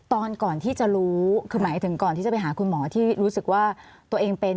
ตอนก่อนที่จะรู้คือหมายถึงก่อนที่จะไปหาคุณหมอที่รู้สึกว่าตัวเองเป็น